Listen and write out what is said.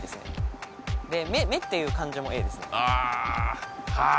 「目」っていう漢字もＡですねああはあ